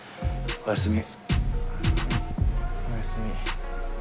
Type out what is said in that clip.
おやすみ。